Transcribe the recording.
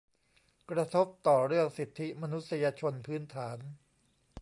กระทบต่อเรื่องสิทธิมนุษยชนพื้นฐาน